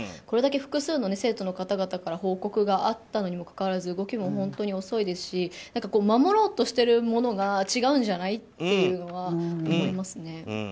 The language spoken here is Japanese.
これだけ複数の生徒の方から報告があったにもかかわらず動きも遅いですし守ろうとしてるものが違うんじゃない？って思いますよね。